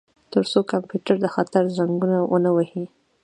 ترڅو کمپیوټر د خطر زنګونه ونه وهي